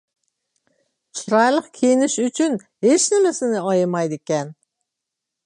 چىرايلىق كىيىنىش ئۈچۈن ھېچنېمىسىنى ئايىمايدىكەن.